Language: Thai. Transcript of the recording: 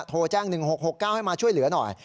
โทรแจ้ง๑๖๖๙ให้มาช่วยเหลือหน่อย